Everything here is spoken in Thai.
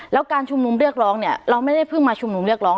แล้วการชุมนุมเรียกร้องเนี่ยเราไม่ได้เพิ่งมาชุมนุมเรียกร้อง